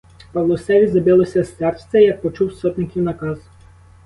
Павлусеві забилося серце, як почув сотників наказ.